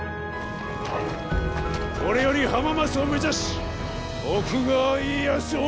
これより浜松を目指し徳川家康を討つ！